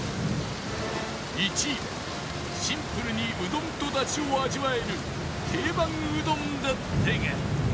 １位はシンプルにうどんとだしを味わえる定番うどんだったが